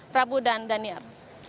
prabu dan daniel